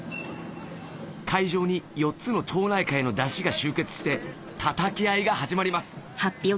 会場に４つの町内会の山車が集結して叩き合いが始まります